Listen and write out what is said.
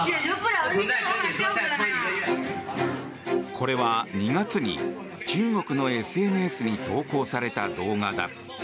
これは２月に、中国のＳＮＳに投稿された動画だ。